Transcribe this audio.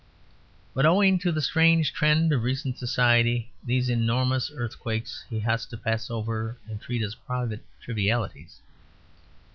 But owing to the strange trend of recent society, these enormous earthquakes he has to pass over and treat as private trivialities.